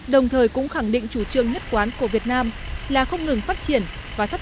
đồng thời cũng khẳng định chủ trương nhất quán của việt nam là không ngừng phát triển và thấp